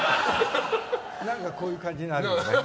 何かこういう感じのあるよね。